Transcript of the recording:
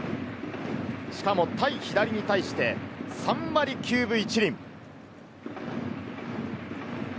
しかも、左に対して３割９分１厘。